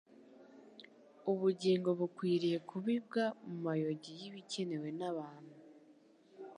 Ubugingo bukwiriye kubibwa mu mayogi y'ibikenewe n'abantu